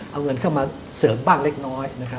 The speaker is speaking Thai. เอาเงินเข้ามาเสริมบ้างเล็กน้อยนะครับ